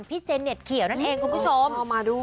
พี่เจเน็ตเขียวนั่นเองคุณผู้ชม